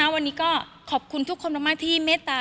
วันนี้ก็ขอบคุณทุกคนมากที่เมตตา